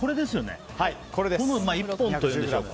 この１本というんでしょうか。